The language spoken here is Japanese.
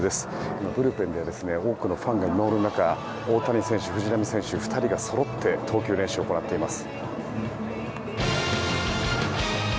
今、ブルペンで多くのファンが見守る中大谷選手、藤浪選手２人がそろって投球練習を行っています。